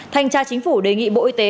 thanh tra chính phủ đề nghị bộ y tế